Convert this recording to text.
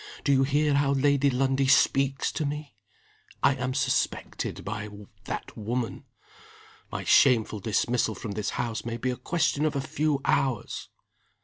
Do you hear how Lady Lundie speaks to me? I am suspected by that woman. My shameful dismissal from this house may be a question of a few hours."